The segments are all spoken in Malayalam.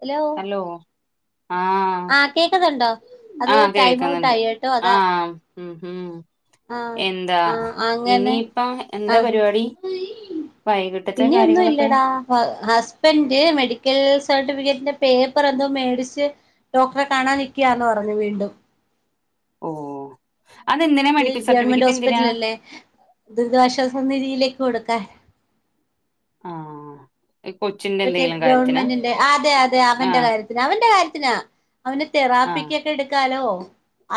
ഹലോ ഹലോ ആഹ് ആഹ് കേക്കന്നുണ്ടോ അത് ആഹ് ടൈം ഔട്ട് കേൾക്കുന്നുണ്ട് ആയി കേട്ടോ അതാ ആഹ് ഉം ഉം ആഹ് എന്താ ആഹ് ഇനി അങ്ങനെ ഇപ്പ എന്താ ആഹ് പരിപാടി വൈകിട്ടത്തെ ഇനി ഒന്നും കാര്യങ്ങളൊക്കെ ഇല്ലടാ ഹസ്ബൻഡ് മെഡിക്കൽ സർട്ടിഫിക്കറ്റിന്റെ പേപ്പർ എന്തോ മേടിച്ച് ഡോക്ടറെ കാണാൻ നിക്കയാന്ന് പറഞ്ഞു വീണ്ടും ഓ അതെന്തിനാ അത് മെഡിക്കൽ ഗവൺമെന്റ് സർട്ടിഫിക്കറ്റ് എന്തിനാ ഹോസ്പിറ്റലല്ലേ ദുരിതാശ്വാസ നിതിയിലേക്ക് കൊടുക്കാൻ ആഹ് ഈ കൊച്ചി മറ്റേ ഗവൺമെന്റിന്റെ അതെ അതെ അവന്റെ ആഹ് കാര്യത്തി അവന്റെ കാര്യത്തിനാ അവന് ആഹ് തെറാപ്പിക്കൊക്കെ എടുക്കാലോ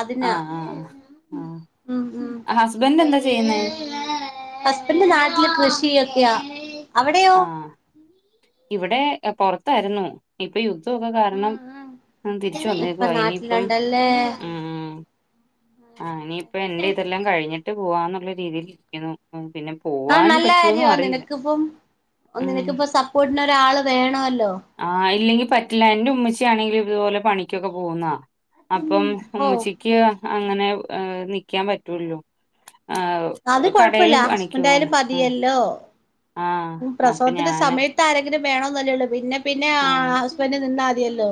അതിനാ ആഹ് ആഹ് ആഹ് ഉ ഉ ആ ഹസ്ബൻഡ് എന്താ ചെയ്യുന്നേ ഹസ്ബൻറ് നാട്ടില് കൃഷിയൊക്കെയാ അവിടെയോ ആഹ് ഇവിടെ പൊറത്തായിരുന്നു ഇപ്പൊ യുദ്ധമൊക്കെ കാരണം തിരിച്ചു ഇപ്പൊ വന്നേക്കുവ ഇനിയിപ്പം നാട്ടിലുണ്ടല്ലേ ഉം ആ ഇനിയിപ്പ എൻന്റെ ഇതെല്ലാം കഴിഞ്ഞിട്ട് പോവാന്നുള്ള രീതിൽ ഇരിക്കുന്നു പിന്നെ ആഹ് പോവാൻ നല്ല പറ്റോന്നും കാര്യമാ അറിയില്ല നിനക്കിപ്പം ഉം നിനക്കിപ്പ സപ്പോർട്ടിന് ഒരാള് വേണോല്ലോ ആ ഇല്ലെങ്കി പറ്റില്ല എന്റെ ഉമ്മച്ചി ആണെങ്കിലിതുപോലെ പണിക്കൊക്കെ പോകുന്നതാ അപ്പം ഉ ഓ ഉച്ചിക്ക് അങ്ങനെ നിക്കാൻ പറ്റുള്ളു ഹ് അത് കുഴപ്പമില്ല ഹസ്ബൻഡ ആായാലും മതിയല്ലോ ആഹ് അപ്പൊ പ്രസവത്തിന്റെ ഞാന് സമയത്ത് ത്ത് ആരങ്കിലും വേണന്നല്ലേള്ളു പിന്നെ പിന്നെ ആ ഹസ്ബൻഡ് നിന്നാ മതിയല്ലോ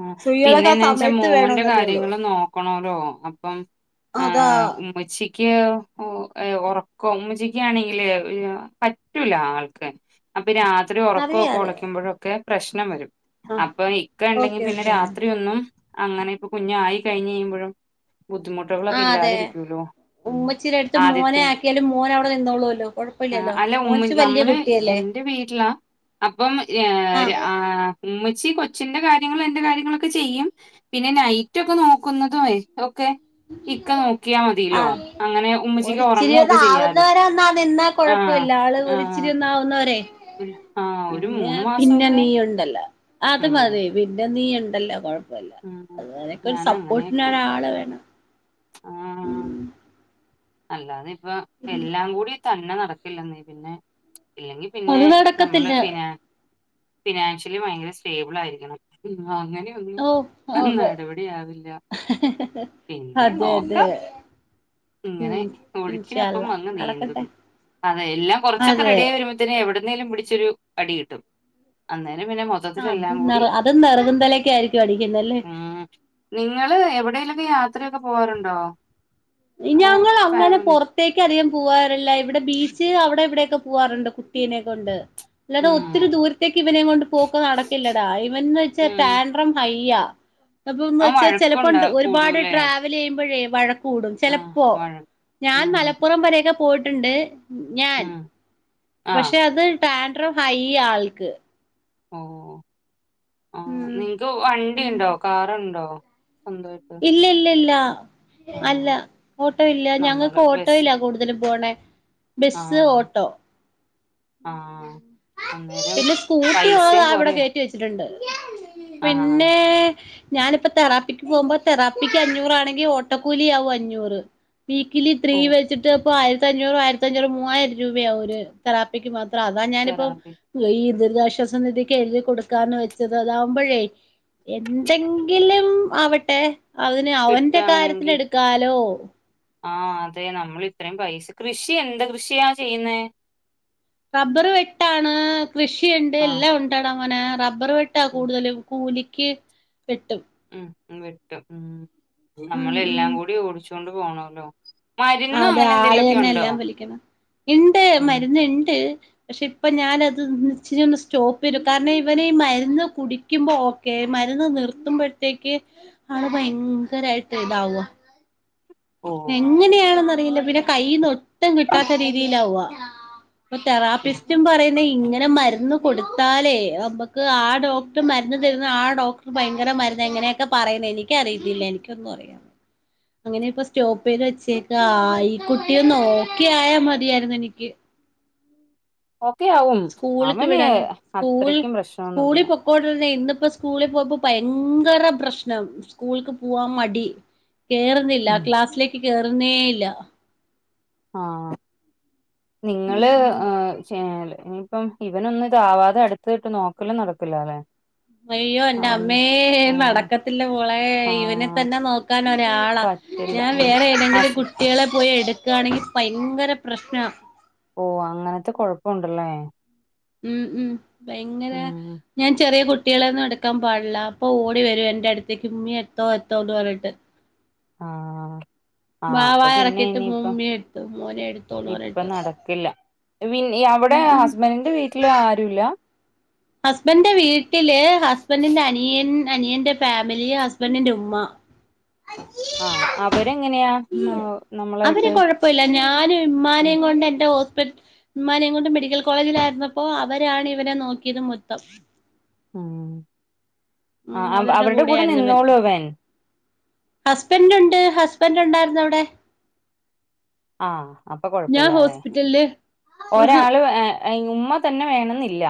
ആ സ്ത്രീകളൊക്കെ ആ പിന്നെന്ന് വെച്ചാ സമയത്ത് മോന്റെ വേണോന്നല്ലേ ഉള്ളൂ കാര്യങ്ങളും നോക്കണല്ലോ അപ്പം അതാ ആഹ് ഉമ്മച്ചിക്ക് ഉറക്കം ഉമ്മച്ചിക്കാണെങ്കില് പറ്റൂല ആൾക്ക് അപ്പൊ നി രാത്രി അറിയാം ഉറക്കൊക്കെ അറിയാം ഉളയ്ക്കുമ്പോഴൊക്കെ പ്രശ്നം വരും ആ അപ്പൊ ഇക്ക ഇണ്ടെങ്കിൽ ഓക്കെ ഓക്കെ രാത്രി ഒന്നും അങ്ങനെ ഇപ്പൊ കുഞ്ഞു ആയി കഴിഞ്ഞ് കഴുമ്പോഴും ബുദ്ധിമുട്ട് ആ് അതെ ഉമ്മച്ചീടെ എടുത്ത് മോനെ ആക്കിയാലും മോനവിടെ നിന്നോള്ളല്ലോ ആ അല്ല ഉമ്മ നമ്മള് എന്റെ വീട്ടിലാ അപ്പം ആ ആഹ് ആ ഉമ്മച്ചി കൊച്ചിന്റെ കാര്യങ്ങളും എന്റെ കാര്യങ്ങളൊക്കെ ചെയ്യും പിന്നെ നൈറ്റ് ഒക്കെ നോക്കുന്നതുംേ ഓക്കെ ഇക്ക നോക്കിയാ മതിലോ ആഹ് അങ്ങനെ ഉമ്മച്ചിക്ക് ഉറങ്ങുവൊക്കെ ചെയ്യാലോ ആഹ് കുഴപ്പമില്ല ആള് ഒരിിച്ചിരി ആഹ് ഒന്നാവുന്നവരെ ഒരു ആഹ് ഒരു പിന്നെ മൂന്ന് പിന്നെ മാസമൊക്കെ നീയുണ്ടല്ലോ അത് ഉം മതി പിന്നെ നീയുണ്ടല്ലോ കൊഴപ്പ പ്പല്ല ഉം അന്നേരാക്കെ ഒരു ഞാൻ സപ്പോർട്ടിന് അങ്ങനെയൊക്കെ ഒരാള് വേണം ഉം അല്ലാ തെ ഇപ്പൊ എല്ലാം കൂടി തന്നെ നടക്കില്ല നീ പിന്നെ ഇല്ലെങ്കി പിന്നെ അത് നമ്മള് നടക്കത്തില്ല ഫിനാൻ ഫിനാൻഷ്യലി ഭയങ്കര സ്റ്റേബിൾ ആയിരിക്കണം അനെ ഓ അതെ പിന്നെ അതെ അതെ നോക്കാം. ഇങ്ങനെ ഉം ഇൻഷാ ഒഴുക്കിനൊപ്പം അള്ളാ അങ്ങ് നടക്കട്ടെ നീന്തുന്നു അതെ എല്ലാം കൊറച്ചൊക്കെ അതെ റെഡി ആായി എവിടുന്നേലും പിടിച്ചൊരു അടി കിട്ടും അന്നേരം പിന്നെ മൊ ആ അത അതും നിെറകുന്തലൊക്കെ ആയിരിക്കും അടിക്കുന്നല്ലേ നിങ്ങള് എവിടെേലൊക്കെ യാത്രയൊക്കെ പോവാാറുണ്ടോ ഞങ്ങൾ അങ്ങനെ പുറ ത്തേക്ക് അധികം പോവാറില്ല ഇവിടെ ബീച്ച് അവിടെ ഇവിടെക്കെ പോവാറുണ്ട് കുട്ടീനെ കൊണ്ട് ഇല്ലടാ ഒത്തിരി ദൂരത്തേക്ക് ഇവനെ കൊണ്ട് പോക്ക് നടക്കില്ലടാ ഇവൻന്ന് വെച്ചാൽ ടാൻഡ്രം ഹയ്യ അപ്പൊന്ന് ആ വെച്ചാ വഴക്കുണ്ടാ ചിലപ്പോണ്ട് ഒരുപാട് കൂടൂല്ലേ? ട്രാ വല് ചെയ്യുമ്പോഴേ വഴക്ക് കൂടും ആ ചിലപ്പോ വഴക്ക്. ഞാൻ മലപ്പുറം വരെക്കെ പോയിട്ടുണ്ട് ഞാൻ ആ. പക്ഷെ അത് ടാൻഡ്രം ഹയ്യ ആൾക്ക് ഓ ആഹ് ഉം നിൻക്ക് പിന്നെ വണ്ടിണ്ടോ കാറുണ്ടോ സ്വന്തമായി ഇല്ലല്ലല്ല അല്ല ഓട്ടോ ഇല്ല ഞങ്ങൾക്ക് നമ്മള് ബസ്സിൽ. ഓട്ടോയില കൊടു ടുതൽ പോണേ ആ. ബസ്സ് ഓട്ടോ ആ. അന്നേരം പിന്നെ സ്കൂട്ടിയൊള്ളതാ പൈസയും ഇവിടെ കേ കൊറയും റ്റി വെച്ചിട്ടുണ്ട് ആഹ് പിന്നെ ഞാനിപ്പ തെറാപ്പിക്ക് പോകുമ്പോ തെറാപ്പിക്ക് അഞ്ഞൂറാണെങ്കിൽ ഓട്ടോക്കൂലി ആകും അഞ്ഞൂറ് വീക്കിലി ത്രീ ഓ വെച്ചിട്ട് അപ്പോ ആയിരത്തഞ്ഞൂറും ആയിരത്തഞ്ഞൂറും മൂവായിരം രൂപയാവും ഒരു തെറാപ്പിക്ക് മാത് ത്രം അതാ ഞാനിപ്പം തെറാപ്പി ഈ ദുരിതാശ്വാസ നിധിക്ക് എഴുതി കൊടുക്കാന്ന് വെച്ചത് അതാവുമ്പഴേ എന്തെങ്കിലും ആവട്ടെ അവന് അവൻ്റെ കാര്യത്തിന് കിട്ടുവാണെങ്കി എടുക്കാലോ ആഹ് അതെ നമ്മൾ ഇത്രയും പൈസ കൃഷി എന്ത്‌ കൃഷിയാ ചെയ്യുന്നെ റബ്ബർ വെട്ടാണ് കൃഷിയുണ്ട് ആഹ് എല്ലാം ഉണ്ടടാങ്ങനെ റ റബ്ബർ വെട്ടാ ഉം കൂടുതലും കൂലിക്ക് വെട്ടും ഉം വെട്ടും ഉം ഉം നമ്മള് ഉം എല്ലാം കൂടി ഓടിച്ചുകൊണ്ട് പോണോല്ലോ അതെ ആള് തന്നെ എല്ലാം വലിക്കണം ഇണ്ട് ഉം മരുന്ന് ഇണ്ട് പക്ഷേ ഇപ്പം ഞാനത് ന്ന് ഇച്ചിരി ഒന്ന് സ്റ്റോപ്പ് ചെയ്തു കാരണം ഇവനീ മരുന്ന് കുടി ക്കുമ്പോ ഓക്കെ മരുന്ന് നിർത്തുമ്പോഴത്തേക്ക് ആള് ഭയങ്കരമായിട്ട് ഇതാവ ഓ എങ്ങനെയാണെന്നറിയില്ല പിന്നെ കയ്ന്ന് ഒട്ടും കിട്ടാത്ത രീതിയിലാവാ ഇപ്പൊ ആഹ് തെറാപ്പിസ്റ്റും പറയുന്ന ഇങ്ങനെ മരുന്ന് കൊടുത്താലേ നമക്ക് ആ ഡോക്ടർ മരുന്ന് തരുന്ന ആ ഡോക്ടർ ഭയങ്കര മരുന്ന് എങ്ങനെയൊക്കെ പറയുന്ന എനി ക്കഅറിയത്തില്ല എനിക്കൊന്നും അറിയാ അങ്ങനെ ഇപ്പ സ്റ്റോപ് ചെയ്ത് വച്ചേക്കാ ഈ കുട്ടിയൊന്ന് ഒക്കെ ആയാ മതിയായിരുന്നു എനിക്ക് ഒക്കെ ആവും സ്കൂളിക്ക് അവന് അത്രക്കും പ്രശ്നൊന്നുല്ല ഇപ്പോഴന്നെ ഇന്നിപ്പോ സ്കൂളിൽ പോപ്പോ ഭയങ്കര പ്രശ്നം സ്കൂൾക്ക് പോവാൻ മടി കേറുന്നില്ല ക്ലാസ്സിലേക്ക് കേറുന്നേയില്ല ആഹ് ഉം നിങ്ങള് ഉം ആഹ് ചേ ഇനിയിപ്പം ഇവനൊന്നു ഇതാവാതെ അടുത്ത ഇട്ട് നോക്കലും നടക്കൂല്ലല്ലെ അയ്യോ എൻ്റെ അമ്മേ ആഹ് നടക്കത്തില്ല മോളെ ഇവനെ ആഹ് തന്നെ നോക്കാൻ ഒരാളാ പറ്റില്ല ഞാൻ ഉം വേറെ ഏതെങ്കിലും ഹസ് കുട്ടികളെ പോയി എടുക്കയാണെങ്കിൽ ഭയങ്കര പ്രശ്ന ഓ അങ്ങനത്തെ കൊഴപ്പൊണ്ടല്ലേ ഉം ഉം ഭയങ്കര ഉം ഞാൻ ചെറിയ കു കുട്ടികളൊന്നും എടുക്കാൻ പാടില്ല അപ്പോൾ ഓടി വരും എൻ്റെ അടുത്തേക്ക് ഉമ്മി എത്തോ എത്തോ എന്ന് പറഞ്ഞിട്ട് ആഹ് ആഹ് വാ വാ അപ്പൊ പിന്നെ ഇറക്കിയിട്ട് ഇനിയിപ്പം ഉമ്മി എടുത്തു മോനെ എടുത്തോന്ന് ഇപ്പം പറഞ്ഞിട്ട് നടക്കില്ല അവിടെ ഉം ഉം ഹസ്ബൻഡ്ന്റെ വീട്ടിൽ ആരുല്ല ഹസ്ബന്റെ വീട്ടില് ഹസ്ബൻഡിന്റെ അനിയൻ അനിയന്റെ ഫാമിലി ഹസ്ബൻഡിന്റെ ഉമ്മ ആഹ് അവരെങ്ങനെയാ ആഹ് നമ്മളായിട്ട് പ്പല്ല ഞാനും ഉം ഉമ്മനേം കൊണ്ട് എൻ്റെ ഹോസ്പി ഉമ്മാനേം കൊണ്ട് മെഡിക്കൽ കോളേജിലായിരുന്നപ്പോ അവരാണ് ഇവനേ നോക്കിയത് മൊത്തം ഉം ആഹ് അവരുടെ കൂടെ നിന്നോളോ ഇവൻ ഹസ്ബൻഡ് ഉണ്ട് ഹസ്ബൻഡ് ഉണ്ടായിരുന്നു അവിടെ ആഹ് അപ്പൊ ഞാൻ കുഴപ്പില്ല അല്ലേ ഹോസ്പിറ്റലില് ഒരാള് ഏഹ് ഉമ്മ തന്നെ വേണെന്നില്ല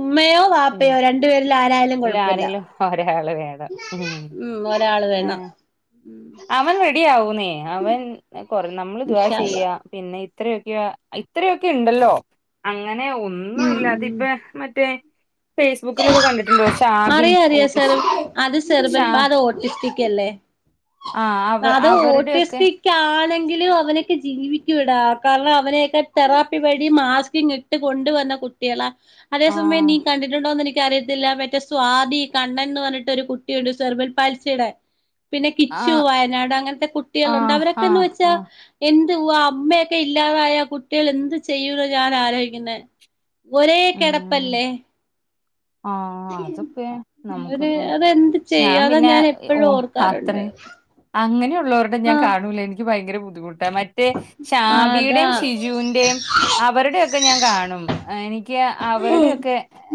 ഉമ്മയോ വാപ്പയോ രണ്ടു പേരിൽ ആരായാലും അയ്ല് കൊഴപ്പമില്ല ആരെങ്കിലും ഒരാള് വേണം ഉം ഹും ഉം ഒരാള് ഹേ വേണം അവൻ റെഡി ആവുന്നേ അവൻ കൊറെ നമ്മള് ദുവാ ഇൻഷാ അള്ളാ ചെയ്യാ പിന്നെ ഇത്രയൊക്കെ ഇത്രയൊക്കെയു ണ്ടല്ലോ അങ്ങനെ ഒന്ന് ഉം ഉം ഒന്നുംയില്ലാതിപ്പെ മറ്റേ ഫേയ്സ്ബുക്കിലൊക്കെ കണ്ടി അറിയാഅറിയാം സർ അത് ഷാ സെറിബ്രൽപാൽ ഓട്ടിസ്റ്റിക് അല്ലേ ആ അവ അത് അവരുടെയൊക്കെ ഓട്ടിസ്റ്റിക്ക് ക്കാണെങ്കിലും അവനൊക്കെ ജീവിക്കുടാ കാരണം അവനെയൊക്കെ തെറാപ്പി വഴി മാസ്കിംങ്ങ്- കൊണ്ടുവന്ന കുട്ടികളാ ആ അതേസമയം നീ കണ്ടി ണ്ടിട്ടുണ്ടോന്ന് എനിക്കറിയത്തില്ല മറ്റേ സ്വാതി കണ്ണൻന്ന് പറഞ്ഞിട്ട് ഒരു കുട്ടിയുണ്ട് സെർബൽ പാൽസിയുടെ- പിന്നെ ആ കിച്ചു വയനാട് അങ്ങനത്തെ ആ കുട്ടികളുണ്ട് ആ അവരൊക്കെന്ന് വെച്ചാ ആ എന്തുവാ അമ്മയൊക്കെ ഇല്ലാതായ കുട്ടികള് എന്ത് ചെയ്യൂന്നാ ഞാനാലോചിക്കുന്നേ- ഒരേ ഉം കെടപ്പല്ലേ- ആ അതൊക്കെ നമുക്കിപ്പം ഞാൻ ചെയ്യും അതാ പിന്നെ എപ്പോഴും ഓഹ് ഓർക്കാറുണ്ട് അത്രേം അങ്ങനെയുള്ളോരുടെ ഞാൻ ആ കാണൂല എനിക്ക് ഭയങ്കര ബുദ്ധിമുട്ടാ മ റ്റെ അതാ ഷാബിടേം ഷിജുന്റേം അവരുടെയൊക്കെ ഞാൻ കാണും എനിക്ക് അവരുടെയൊക്കെ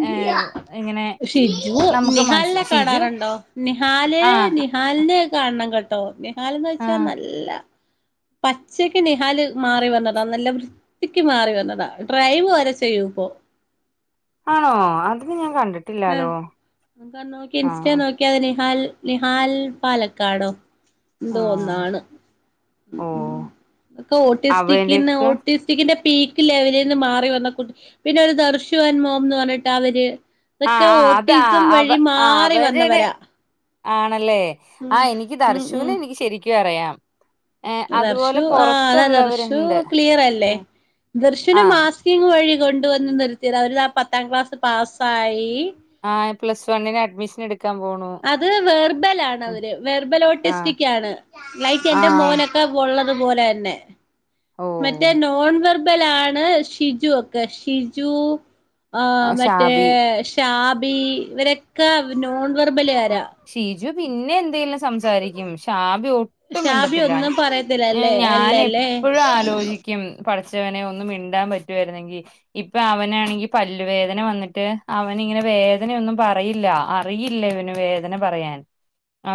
ഏഹ് ഇങ്ങനെ ഷിജു നമുക്ക് മനസ്സില നിഹാലിനെ ഷിജു കാണാറുണ്ടോ നിഹാല് നിഹ് ആഹ് നിഹാലിനെ കാണണം കേട്ടോ നിഹാലെന്ന്വച്ചാ ആഹ് നല്ല- പച്ചക്ക് നിഹാല് മാറി വന്നതാ നല്ല വൃത്തിക്ക് മാറി വന്നതാ ഡ്രൈവ് വരെ ചെയ്യൂം ഇപ്പോ ആണോ അതിന് ഞാൻ കണ്ടി ഏഹ് നോക്കി ഇൻസ്റ്റെ നോക്കിയ അത് നിഹാൽ നിഹാൽ പാലക്കാടോ എന്തോ ആഹ് ഒന്നാണ് ഓഹ് എന്തോ ഓട്ടിസ്റ്റിക്കിന്ന് അവര്ക്ക് ഓട്ടിസ് ചിക്കിന്റെ പീക്ക് ലെവലിന്ന് മാറി വന്നകുട്ടി പിന്നെ ഒരു ദർശുൻമോംന്ന് പറഞ്ഞിട്ട് അവര് ഇതൊക്കെ ആഹ് ആഹ് അത് ഓട്ടിസം ആഹ് അവ വഴി ആഹ് മാറി അവരെടെ വന്നവരാ ആണല്ലേ ഉം ആഹ് എനിക്ക് ഉം ദർശുനെ ഉം എനിക്ക് ശരിക്കും അറിയാം ഏഹ് ദർശു അതുപോലെ ആഹ് അതാ ദർശു പൊറത്തുള്ളവരുണ്ട്. ക്ലിയറല്ലേ ആഹ് ദർശുന് ആഹ് മാസ്- കിങ്ങ് വഴി കൊണ്ടു വന്ന് നിർത്തിതാ അവര് ദാ പത്താം ക്ലാസ് പാസ്സായി ആഹ് പ്ലസ് വണ്ണിന് അഡ്മിഷനെടു ക്കാൻ പോണു- അത് വെർബൽ ആണവര് വെർബൽ ആഹ് ഓട്ടിസ്റ്റിക്കാണ് ലൈക്ക് എന്റെ ആഹ് മോനെ ക്കെ ഒള്ളതുപോലെന്നെ ഓ മറ്റേ നോൺ വെർബലാണ് ഷിജു ഒക്കെ ഷിജു ആ, ആഹ് മറ്റേ ഷാബി ഷാബി ഇവരൊക്കെ നോൺ ആ, വെർബലുകാരാ ഷീജു പിന്നേം എന്തേലും സംസാരിക്കും ഷാബി ഒട്ടും ഷാബി മിണ്ടത്തില്ല- ഒന്നും ഏഹ് പറയത്തില്ലല്ലേ അല്ലല്ലേ ഞാനെപ്പഴും ആലോചിക്കും പടച്ചവനെ ഒന്നു മിണ്ടാൻ പറ്റ്വാര്ന്നെങ്കി- ഇപ്പൊ അവനാണെങ്കി പല്ലുവേദന വന്നിട്ട് അവൻ ഇങ്ങനെ വേദനയൊന്നും പറയില്ല അറിയില്ല ഇവന്- വേദന പറയാൻ